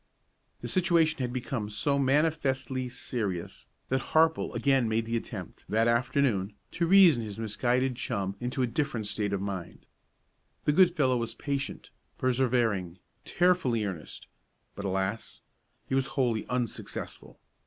The situation had become so manifestly serious that Harple again made the attempt, that afternoon, to reason his misguided chum into a different state of mind. The good fellow was patient, persevering, tearfully earnest; but, alas! he was wholly unsuccessful.